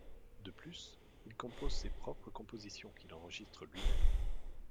De plus, il compose ses propres compositions qu'il enregistre lui-même.